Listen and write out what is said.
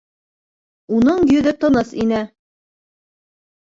Уның йөҙө тыныс ине.